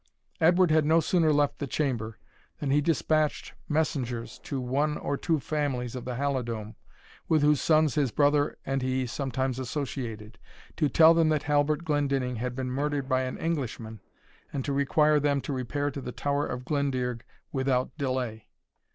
Edward had no sooner left the chamber, than he despatched messengers to one or two families of the Halidome, with whose sons his brother and he sometimes associated, to tell them that Halbert Glendinning had been murdered by an Englishman, and to require them to repair to the Tower of Glendearg without delay.